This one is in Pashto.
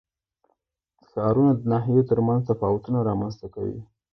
ښارونه د ناحیو ترمنځ تفاوتونه رامنځ ته کوي.